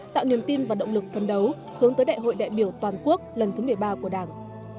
tạo niềm tin và động lực phấn đấu hướng tới đại hội đại biểu toàn quốc lần thứ một mươi ba của đảng